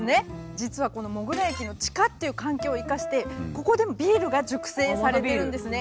実はこのモグラ駅の地下という環境を生かしてここでもビールが熟成されてるんですね。